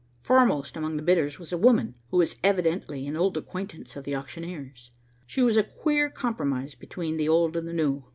Foremost among the bidders was a woman who was evidently an old acquaintance of the auctioneer's. She was a queer compromise between the old and the new.